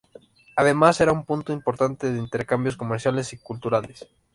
Además era un punto importante de intercambios comerciales y culturales.